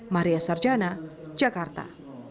maria sarjana jakarta